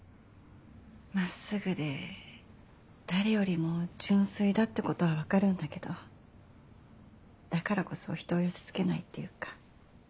真っすぐで誰よりも純粋だってことは分かるんだけどだからこそひとを寄せ付けないっていうか。